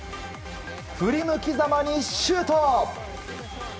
振り向きざまにシュート！